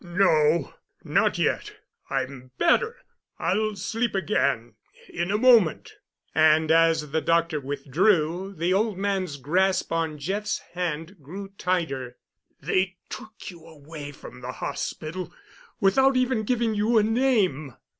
"No, not yet—I'm better—I'll sleep again in a moment." And, as the doctor withdrew, the old man's grasp on Jeff's hand grew tighter. "They took you away from the hospital—without even giving you a name."